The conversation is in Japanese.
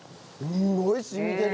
すごい染みてる。